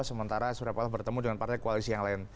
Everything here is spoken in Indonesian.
sementara suryapaloh bertemu dengan partai koalisi yang lain